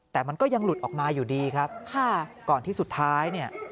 แต่มันก็ยังหลุดออกมาอยู่ดีครับค่ะก่อนที่สุดท้ายเนี่ย